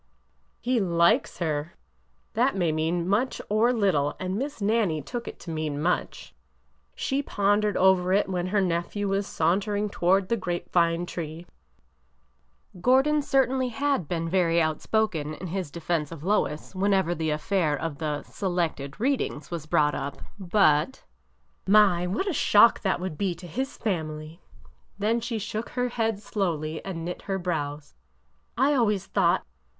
He likes her! It may mean much or little, and Miss Nannie took it to mean much. She pondered over it when her nephew was sauntering toward the grape vine tree. Gordon certainly had been very outspoken in his defense of Lois whenever the affair of the '' Select Read ings " was brought up, but— BEVERLY SUPPOSES A CASE 153 My ! what a shock that would be to his family !" Then she shook her head slowly and knit her brows. '' I always thought